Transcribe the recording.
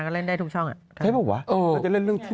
ก็เล่นได้ทุกช่องอ่ะเค้าบอกว่าเรื่องที่